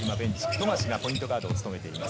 富樫がポイントガードを務めています。